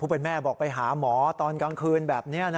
เป็นแม่บอกไปหาหมอตอนกลางคืนแบบนี้